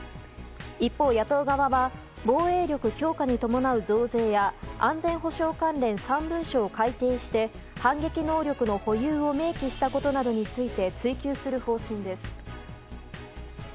一方、野党側は防衛力強化に伴う増税や安全保障関連３文書を改定して反撃能力の保有を明記したことなどについて追及する方針です。